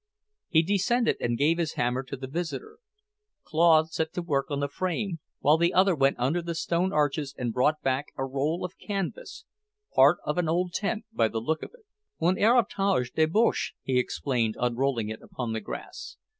He descended and gave his hammer to the visitor. Claude set to work on the frame, while the other went under the stone arches and brought back a roll of canvas, part of an old tent, by the look of it. "Un héritage des Boches," he explained unrolling it upon the grass.